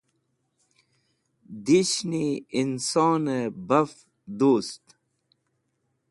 Dishni insonẽ baf dust